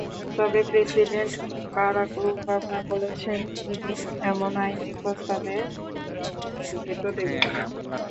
তবে president Barack Obama বলেছেন, তিনি এমন আইনের প্রস্তাবে ভেটো দেবেন।